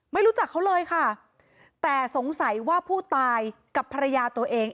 ไม่รู้จักเขาเลยค่ะแต่สงสัยว่าผู้ตายกับภรรยาตัวเอง